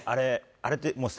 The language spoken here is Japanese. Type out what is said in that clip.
あれって。